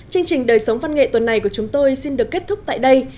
chương trình đời sống văn nghệ tuần này của chúng tôi xin được kết thúc tại đây